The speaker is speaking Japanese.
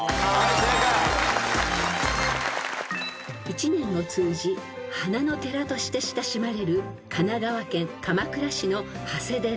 ［一年を通じ花の寺として親しまれる神奈川県鎌倉市の長谷寺］